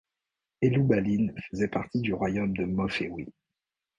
Eloubaline faisait partie du royaume de Mof Ewi.